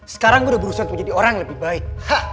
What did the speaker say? sekarang udah berusaha untuk menjadi orang yang lebih baik